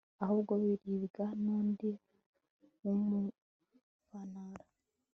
ahubwo biribwa n'undi w'umuvantara